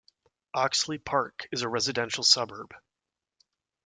Oxley Park is a residential suburb.